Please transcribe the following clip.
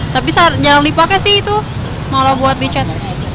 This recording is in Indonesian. tapi jarang dipakai sih itu malah buat di chat